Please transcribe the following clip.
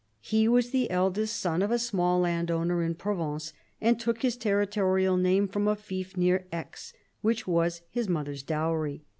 He was the eldest son of a small land owner in Provence, and took his territorial name from a fief near Aix, which was his mother's dowry.